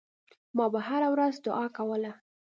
ما به هره ورځ دعا کوله.